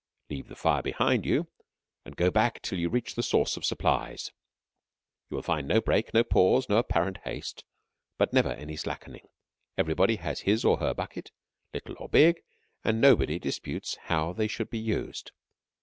Leave the fire behind you and go back till you reach the source of supplies. You will find no break, no pause, no apparent haste, but never any slackening. Everybody has his or her bucket, little or big, and nobody disputes how they should be used.